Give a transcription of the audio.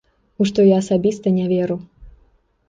У што я асабіста не веру.